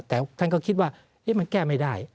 แต่ท่านก็คิดว่ามันแก้ไม่ได้